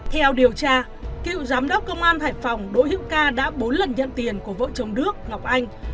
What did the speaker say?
theo điều tra cựu giám đốc công an hải phòng đỗ hữu ca đã bốn lần nhận tiền của vợ chồng đức ngọc anh